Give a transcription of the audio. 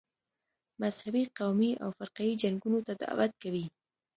مذهبي، قومي او فرقه یي جنګونو ته دعوت کوي.